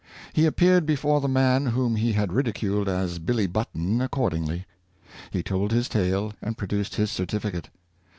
He appeared before the man whom he had ridiculed as " Billy Button " accordingly. He told his tale and produced his certificate.